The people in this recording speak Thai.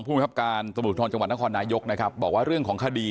ผู้มีภาพการสมุทรธรรมจังหวัดนครนายกบอกว่าเรื่องของคดี